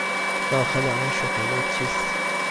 داخل آن شکلات چیست؟